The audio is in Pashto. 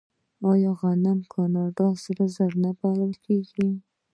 آیا غنم د کاناډا سره زر نه بلل کیږي؟